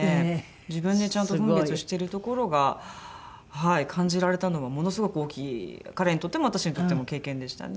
自分でちゃんと分別してるところが感じられたのはものすごく大きい彼にとっても私にとっても経験でしたね。